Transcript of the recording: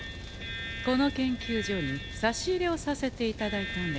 この研究所に差し入れをさせていただいたんでござんすよ。